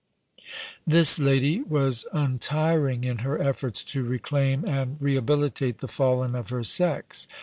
This lady was untiring in her efforts to reclaim and rehabilitate the fallen of her sex.